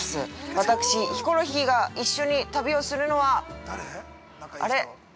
私、ヒコロヒーが一緒に旅をするのはあれ？